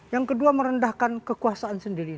yang kedua merendahkan kekuasaan sendiri